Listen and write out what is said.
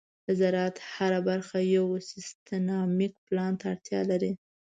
د زراعت هره برخه یو سیستماتيک پلان ته اړتیا لري.